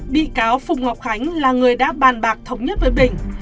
bị cáo phùng ngọc khánh là người đã bàn bạc thống nhất với bình